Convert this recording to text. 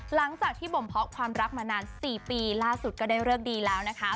หลังจากที่บ่มเพาะความรักมานาน๔ปีล่าสุดก็ได้เลิกดีแล้วนะคะ